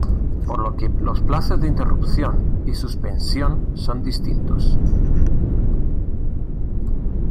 Por lo que los plazos de interrupción y suspensión son distintos.